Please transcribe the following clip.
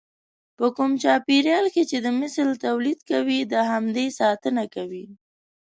په کوم چاپېريال کې چې د مثل توليد کوي د همدې ساتنه کوي.